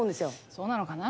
そうなのかな？